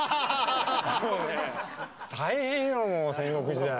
もうね大変よ戦国時代。